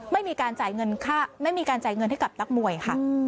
ไม่มีการจ่ายเงินค่าไม่มีการจ่ายเงินให้กับนักมวยค่ะ